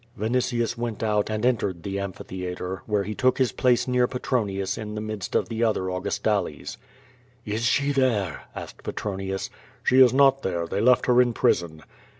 Vinitius went out and entered the amphitheatre, where he took his place near Petronius in the midst of the other Au gustales. "Is she there ?'* asked Petronius. "She is not there, they left her in prison."